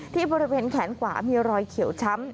ที่บ่อระเบินแขนกว่ามีรอยเขียวช้ำ